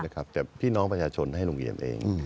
แต่พี่น้องประชาชนให้โรงเรียนเอง